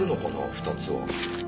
２つは。